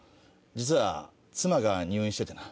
実は妻が入院しててな。